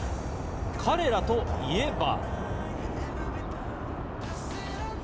彼らといえば。